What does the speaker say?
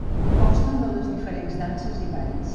Mostra de les diferents danses i Balls.